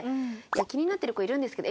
「気になってる子いるんですけど」